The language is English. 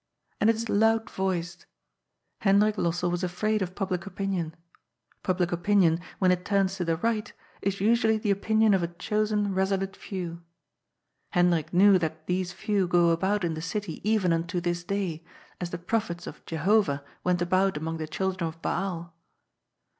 And it is loud voiced. Hendrik Lossell was afraid of public opin ion. Public opinion, when it turns to the right, is usually the opinion of a chosen resolute few. Hendrik knew that these few go about in the city even unto this day, as the prophets of Jehovah went about among the children of Baal.